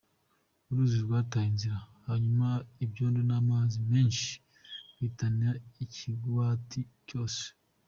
Uruzi rwataye inzira hanyuma ivyondo n'amazi menshi bihitana ikigwati cose.